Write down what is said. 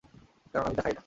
কারণ আমি তা খাই না।